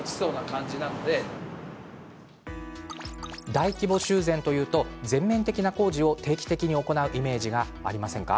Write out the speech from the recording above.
大規模修繕というと全面的な工事を定期的に行うイメージがありませんか？